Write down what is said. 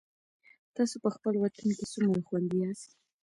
تاسو په خپل وطن کي څومره خوندي یاست؟